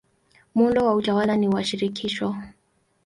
Muundo wa utawala ni wa shirikisho.